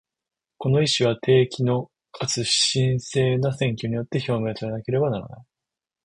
この意思は、定期のかつ真正な選挙によって表明されなければならない。